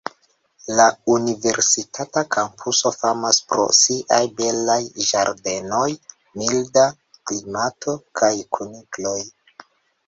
La universitata kampuso famas pro siaj belaj ĝardenoj, milda klimato kaj kunikloj.